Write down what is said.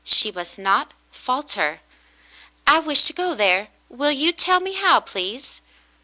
She must not falter. "I wish to go there. Will you tell me how, please.?"